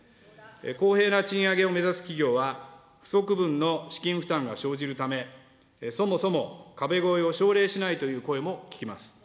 公平な賃上げを目指す企業は、不足分の資金負担が生じるため、そもそも壁越えを奨励しないという声も聞きます。